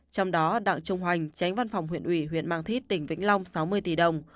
trong đó đặng trung hoành tránh văn phòng huyện ủy huyện mang thít tỉnh vĩnh long sáu mươi tỷ đồng